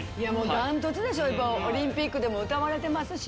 断トツでしょオリンピックでも歌われてますしね。